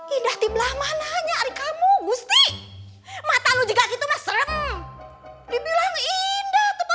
indah dipelah mana aja ada kamu gusti matamu juga gitu mas reng dibilang indah tebal